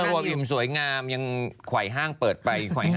อวบอิ่มสวยงามยังไขว้ห้างเปิดไป